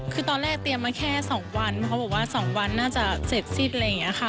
คือตอนแรกเตรียมมาแค่๒วันเพราะเขาบอกว่า๒วันน่าจะเสร็จสิ้นอะไรอย่างนี้ค่ะ